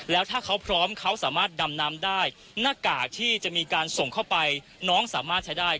แล้วถ้าเขาพร้อมเขาสามารถดำน้ำได้หน้ากากที่จะมีการส่งเข้าไปน้องสามารถใช้ได้